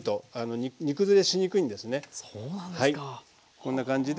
こんな感じで。